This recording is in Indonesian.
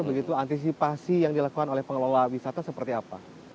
begitu antisipasi yang dilakukan oleh pengelola wisata seperti apa